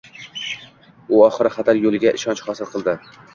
U oxiri xatar yo’qligiga ishonch hosil qildi.